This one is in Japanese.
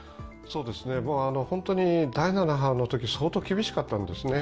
本当に第７波のとき相当厳しかったんですね。